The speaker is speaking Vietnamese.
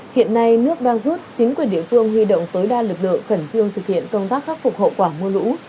hiện nay nước đang rút chính quyền địa phương huy động tối đa lực lượng khẩn trương thực hiện công tác khắc phục hậu quả mưa lũ